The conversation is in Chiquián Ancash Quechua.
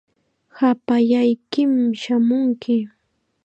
Hapallaykim shamunki.